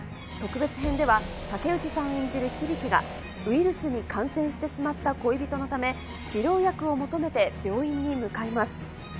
特別編では、竹内さん演じる響が、ウイルスに感染してしまった恋人のため、治療薬を求めて病院に向かいます。